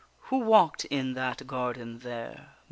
Who walked in that garden there?